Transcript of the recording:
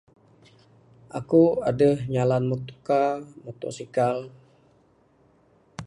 Aku adeh nyalan muto car, mutosikal.